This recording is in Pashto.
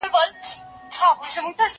که وخت وي، انځور ګورم!؟